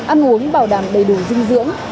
ăn uống bảo đảm đầy đủ dinh dưỡng